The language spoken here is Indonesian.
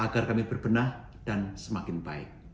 agar kami berbenah dan semakin baik